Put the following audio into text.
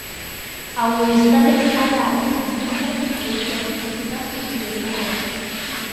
Ауаҩы еснагь аԥсҭазаарахь дымгәыӷуеи, уажә саргьы сыҽнасҭеит уи агәыӷра.